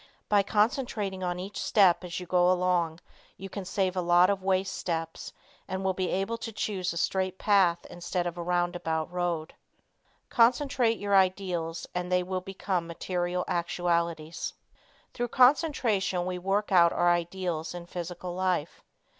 By concentrating on each step as you go along, you can save a lot of waste steps and will be able to choose a straight path instead of a roundabout road. Concentrate Upon Your Ideals and They Will Become Material Actualities. Through concentration we work out our ideals in physical life.